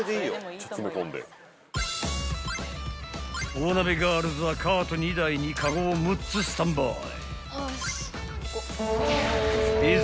［大鍋ガールズはカート２台にカゴを６つスタンバイ］